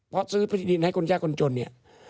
พอซื้อพฤติดินให้คนชาติคนจน